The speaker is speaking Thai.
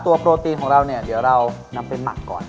โปรตีนของเราเนี่ยเดี๋ยวเรานำไปหมักก่อน